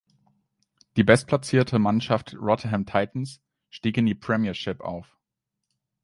Die bestplatzierte Mannschaft Rotherham Titans stieg in die Premiership auf.